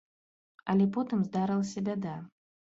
Але потым здарылася бяда.